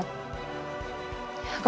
ke pang mia